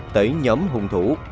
tới nhóm hùng thủ